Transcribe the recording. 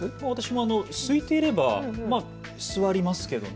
私もすいていれば座りますけどね。